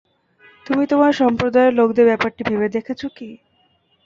তুমি তোমার সম্প্রদায়ের লোকদের ব্যাপারটি ভেবে দেখেছ কি?